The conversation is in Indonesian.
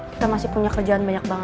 kita masih punya kerjaan banyak banget